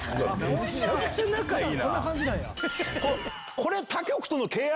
めちゃくちゃ仲いい！